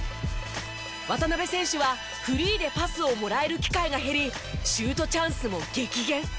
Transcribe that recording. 渡邊選手はフリーでパスをもらえる機会が減りシュートチャンスも激減。